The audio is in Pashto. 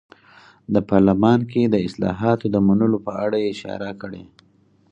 د پارلمان کې د اصلاحاتو د منلو په اړه یې اشاره کړې.